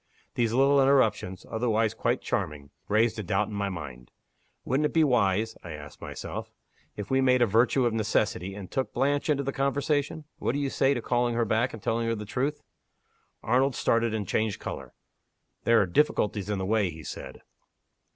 These little interruptions otherwise quite charming raised a doubt in my mind. Wouldn't it be wise (I ask myself), if we made a virtue of necessity, and took Blanche into the conversation? What do you say to calling her back and telling her the truth?" Arnold started, and changed color. "There are difficulties in the way," he said.